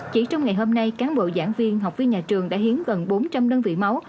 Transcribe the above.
chỉ trong ngày hôm nay cán bộ giảng viên học viên nhà trường đã hiến gần bốn trăm linh đơn vị máu